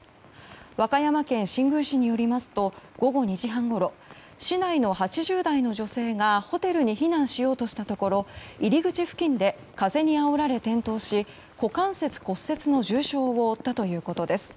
和歌山県新宮市によりますと午後２時半ごろ市内の８０代の女性がホテルに避難しようとしたところ入り口付近で風にあおられ転倒し股関節骨折の重傷を負ったということです。